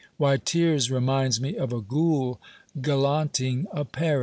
Why, Thiers reminds me of a Ghoul gallanting a Peri."